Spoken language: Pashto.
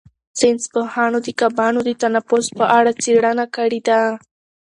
ساینس پوهانو د کبانو د تنفس په اړه څېړنه کړې ده.